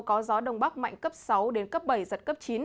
có gió đông bắc mạnh cấp sáu đến cấp bảy giật cấp chín